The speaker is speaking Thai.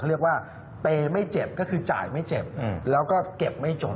เรียกว่าเตไม่เจ็บก็คือจ่ายไม่เจ็บแล้วก็เก็บไม่จบ